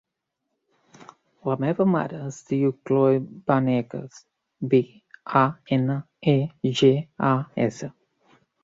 La meva mare es diu Khloe Banegas: be, a, ena, e, ge, a, essa.